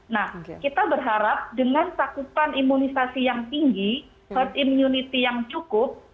nah kita berharap dengan cakupan imunisasi yang tinggi herd immunity yang cukup